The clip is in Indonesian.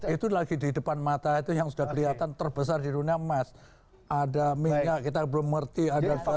itu lagi di depan mata itu yang sudah kelihatan terbesar di dunia emas ada minyak kita belum ngerti ada varian